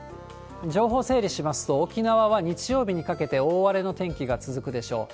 情報整理しますと、沖縄は日曜日にかけて大荒れの天気が続くでしょう。